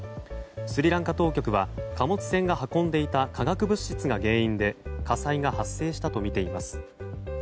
スリランカ当局は貨物船が運んでいた化学物質が原因で火災が発生したとみています。